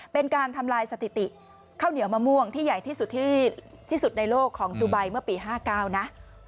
เป็นการทำลายสถิติข้าวเหนียวมะม่วงที่ใหญ่ที่สุดที่สุดในโลกของดูไบเมื่อปี๕๙นะ